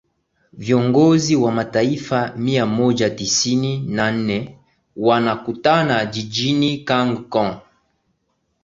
viongozi wa mataifa mia moja tisini na nne wanakutana jijini kangkon